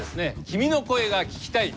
「君の声が聴きたい」